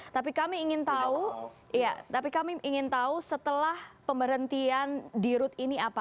tapi kami ingin tahu setelah pemberhentian di rut ini apa